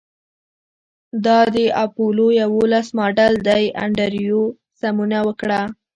دا د اپولو یوولس ماډل دی انډریو سمونه وکړه